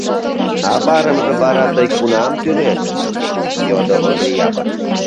— А парымжым вара тый кунам тӱлет? — йодо Ондри Япык.